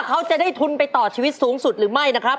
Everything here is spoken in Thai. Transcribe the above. เขาจะได้ทุนไปต่อชีวิตสูงสุดหรือไม่นะครับ